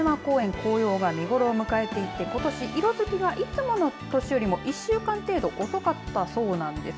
紅葉が見頃を迎えていて色づきが、いつもの年よりも１週間ほど遅かったそうなんです。